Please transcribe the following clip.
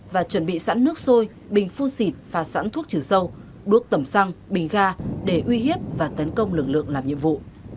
và chuẩn bị sẵn nước sôi bình phun xịt và sẵn thuốc trừ sâu đuốc tẩm xăng bình ga để uy hiếp và tấn công lực lượng làm nhiệm vụ